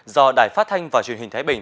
do đài phát thanh và truyền hình thái bình